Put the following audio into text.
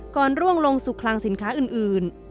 ก่อนล่วงลงสุขคลังสินค้าอื่น